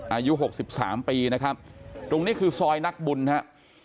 อายุ๖๓ปีนะครับตรงนี้คือซอยนักบุญนะครับ